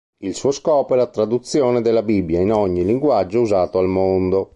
Il suo scopo è la traduzione della Bibbia in ogni linguaggio usato al Mondo.